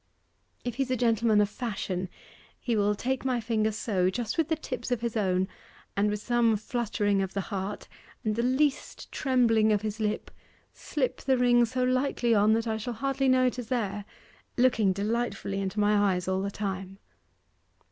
'If he's a gentleman of fashion, he will take my finger so, just with the tips of his own, and with some fluttering of the heart, and the least trembling of his lip, slip the ring so lightly on that I shall hardly know it is there looking delightfully into my eyes all the time.